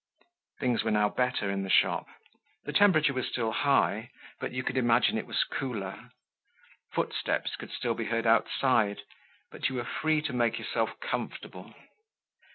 Things were now better in the shop. The temperature was still high, but you could imagine it was cooler. Footsteps could still be heard outside but you were free to make yourself comfortable.